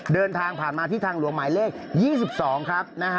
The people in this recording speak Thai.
เดินทางผ่านมาที่ทางหลวงหมายเลข๒๒ครับ